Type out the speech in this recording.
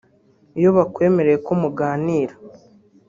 Iyo bakwemereye ko muganira